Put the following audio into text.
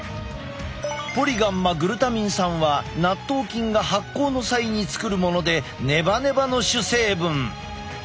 ポリガンマグルタミン酸は納豆菌が発酵の際に作るものでネバネバの主成分。